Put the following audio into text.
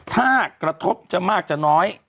ถ้ากระทบจะมากจะน้อย